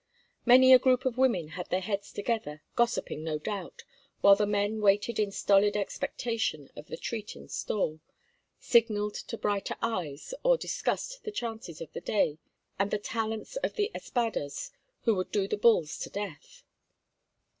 Many a group of women had their heads together, gossiping, no doubt, while the men waited in stolid expectation of the treat in store, signalled to brighter eyes, or discussed the chances of the day and the talents of the espadas who would do the bulls to death.